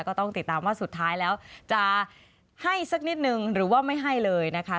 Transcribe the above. ก็ต้องติดตามว่าสุดท้ายแล้วจะให้สักนิดนึงหรือว่าไม่ให้เลยนะคะ